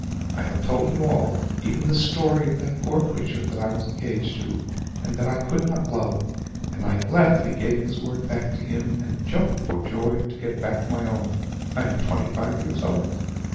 I have told him all even the story of that poor creature that I was engaged to and that I could not love; and I gladly gave his word back to him, and jumped for joy to get back my own. I am twenty five years old."